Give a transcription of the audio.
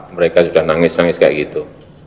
mereka sudah nangis nangis kayak gitu